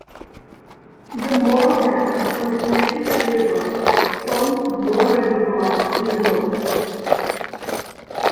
The Moore Dam on the Connecticut River forms Moore Reservoir in the north.